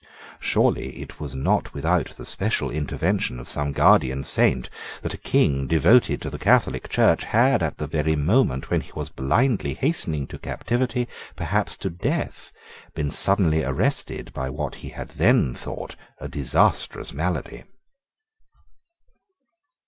Surely it was not without the special intervention of some guardian Saint that a King devoted to the Catholic Church had, at the very moment when he was blindly hastening to captivity, perhaps to death, been suddenly arrested by what he had then thought a disastrous malady.